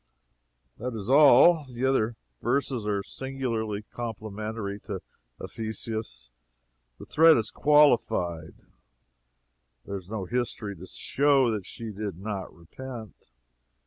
That is all; the other verses are singularly complimentary to Ephesus. The threat is qualified. There is no history to show that she did not repent.